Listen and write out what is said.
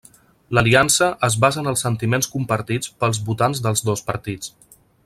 L'aliança es basa en els sentiments compartits pels votants dels dos partits.